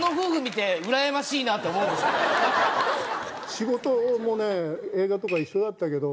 仕事も映画とか一緒だったけど。